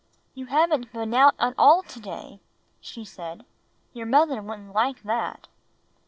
You haven't been out at all to day!" she said. "Your mother wouldn't like that."